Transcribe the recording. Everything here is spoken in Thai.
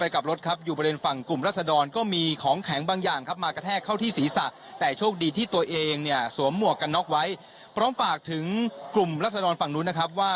กลุ่มลักษณอนฝั่งนู้นนะครับว่า